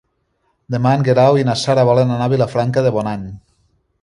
Demà en Guerau i na Sara volen anar a Vilafranca de Bonany.